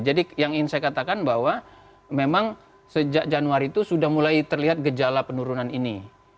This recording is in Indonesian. jadi yang ingin saya katakan bahwa memang sejak januari itu sudah mulai terlihat gejala penurunan ini